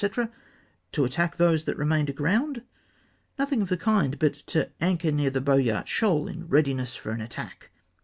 — to attack those that remained aground ? Nothing of the kind, but —" to anchor near the Boy art Shoal, in readiness for an attack!!"